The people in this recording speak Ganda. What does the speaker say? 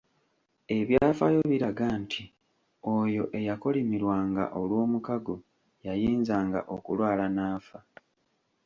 Ebyafaayo biraga nti oyo eyakolimirwanga olw’omukago yayinzanga okulwala n’afa.